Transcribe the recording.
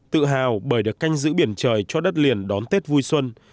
tự hào bởi được canh giữ biển trời cho đất liền đón tết vui xuân